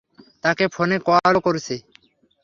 তাকে ফোনে কলও করেছি।